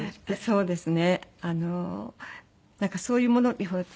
そうですね。